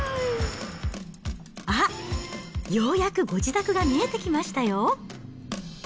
あっ、ようやくご自宅が見えてきましたよ。